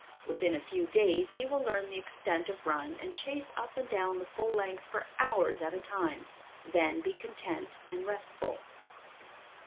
Within a few days he will learn the extent of run and chase up and down the full length for hours at a time, then be content and restful.